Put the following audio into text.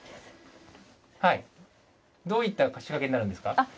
どういった仕掛けになるんですか？